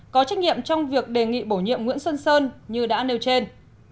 có trách nhiệm trong việc đề nghị bổ nhiệm nguyễn xuân sơn như đã nêu trên